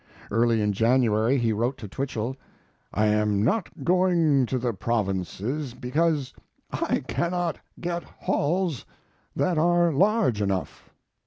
Early in January he wrote to Twichell: I am not going to the provinces because I cannot get halls that are large enough.